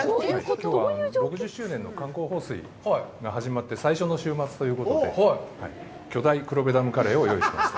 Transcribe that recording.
きょうは６０周年の観光放水が始まって最初の週末ということで、巨大「黒部ダムカレー」を用意しました。